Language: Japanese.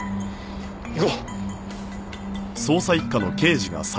行こう。